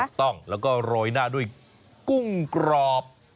ถูกต้องแล้วก็โรยหน้าด้วยกุ้งกรอบ